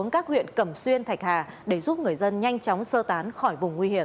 cẩm xuyên thạch hà để giúp người dân nhanh chóng sơ tán khỏi vùng nguy hiểm